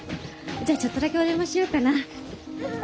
じゃあちょっとだけお邪魔しようかな。